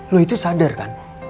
lo itu sadar kan